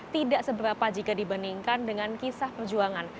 tidak seberapa jika dibandingkan dengan kisah perjuangan